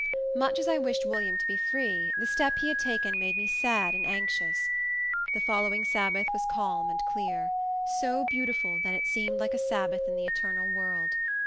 Much as I wished William to be free, the step he had taken made me sad and anxious. The following Sabbath was calm and clear; so beautiful that it seemed like a Sabbath in the eternal world.